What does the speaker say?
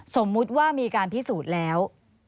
สมมุติว่ามีการพิสูจน์แล้ว